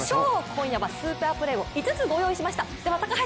今夜はスーパープレーを５つご用意しました。